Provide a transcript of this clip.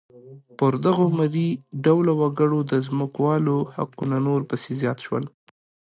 پر دغو مري ډوله وګړو د ځمکوالو حقوق نور پسې زیات شول.